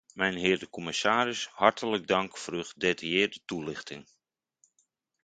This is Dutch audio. Mijnheer de commissaris, hartelijk dank voor uw gedetailleerde toelichting.